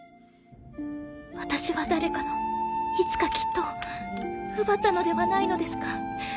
私は誰かの「いつかきっと」を奪ったのではないのですか？